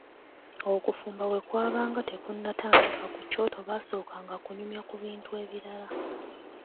Okufumba bwe kwabanga tekunnatandika ku kyoto baasookanga kunyumya ku bintu ebirala.